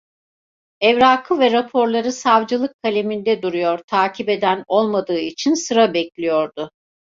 Evrakı ve raporları savcılık kaleminde duruyor, takip eden olmadığı için sıra bekliyordu.